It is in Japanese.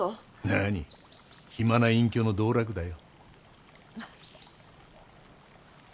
なに暇な隠居の道楽だよ。